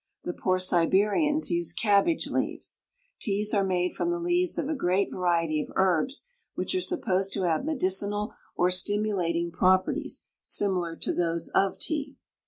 The poor Siberians use cabbage leaves. Teas are made from the leaves of a great variety of herbs which are supposed to have medicinal or stimulating properties similar to those of tea.